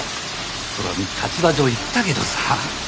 そりゃ立場上言ったけどさ。